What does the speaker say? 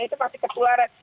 itu pasti ketularan